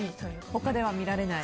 他では見られない。